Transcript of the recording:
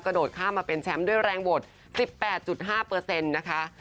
กระโดดข้ามมาเป็นแชมป์ด้วยแรงโหวต๑๘๕เปอร์เซ็นต์นะคะ